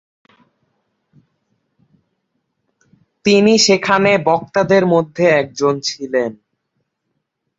তিনি সেখানে বক্তাদের মধ্য একজন ছিলেন।